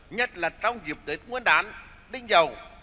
nhất là trong dịp tết nguyên đán đinh dầu hai nghìn một mươi bảy